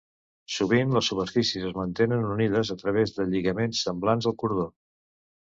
Sovint les superfícies es mantenen unides a través de lligaments semblants al cordó.